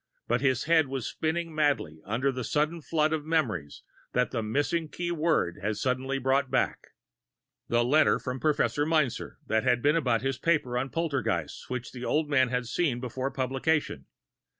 But his head was spinning madly under the sudden flood of memories that the missing key word had suddenly brought back. The letter from Professor Meinzer had been about his paper on poltergeists which the old man had seen before publication.